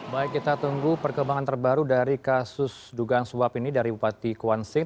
baik kita tunggu perkembangan terbaru dari kasus dugaan suap ini dari bupati kuansing